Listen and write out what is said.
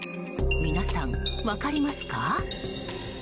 皆さん、分かりますか？